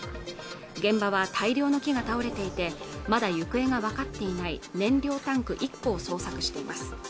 現場は大量の木が倒れていてまだ行方がわかっていない燃料タンク１個の捜索とみられます